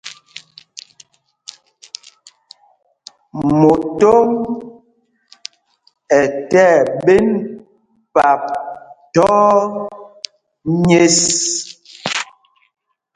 Motom ɛ tí ɛɓēn pâp thɔ̄ɔ̄ nyěs.